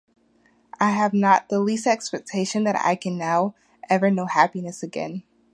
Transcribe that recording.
I have not the least expectation that I can now ever know happiness again.